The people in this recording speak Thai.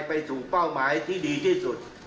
ไปสู่เป้าหมายที่ดีที่สุด